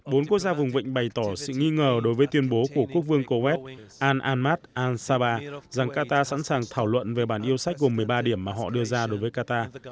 bốn quốc gia vùng vịnh bày tỏ sự nghi ngờ đối với tuyên bố của quốc vương coes al ahmad an saba rằng qatar sẵn sàng thảo luận về bản yêu sách gồm một mươi ba điểm mà họ đưa ra đối với qatar